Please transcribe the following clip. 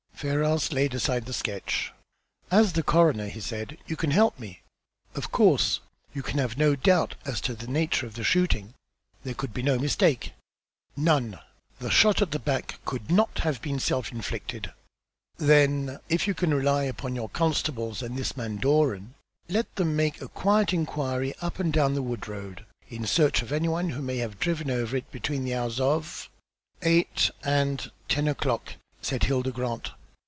Ferrars laid aside the sketch. "As the coroner," he said, "you can help me. Of course, you can have no doubt as to the nature of the shooting. There could be no mistake." "None. The shot at the back could not have been self inflicted." "Then if you can rely upon your constables and this man Doran, let them make a quiet inquiry up and down the wood road in search of any one who may have driven over it between the hours of " "Eight and ten o'clock," said Hilda Grant.